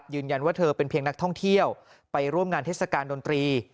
ยืนยันว่าเธอเป็นเพียงนักท่องเที่ยวไปร่วมงานเทศกาลดนตรี